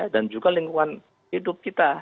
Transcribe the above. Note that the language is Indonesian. dan juga lingkungan hidup kita